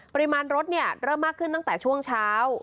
ปริมาณรถเริ่มมากขึ้นตั้งแต่ช่วงเช้า